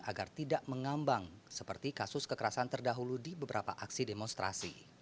agar tidak mengambang seperti kasus kekerasan terdahulu di beberapa aksi demonstrasi